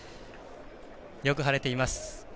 よく晴れています。